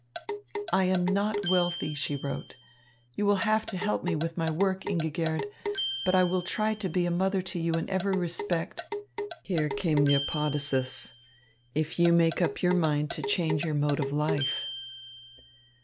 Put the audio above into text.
"I am not wealthy," she wrote. "You will have to help me with my work, Ingigerd, but I will try to be a mother to you in every respect," here came the apodosis "if you make up your mind to change your mode of life."